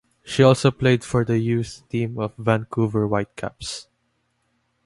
She also played for the youth team of Vancouver Whitecaps.